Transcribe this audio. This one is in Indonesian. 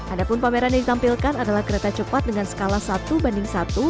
ada pun pameran yang ditampilkan adalah kereta cepat dengan skala satu banding satu